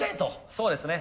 そうですね。